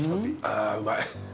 あうまい。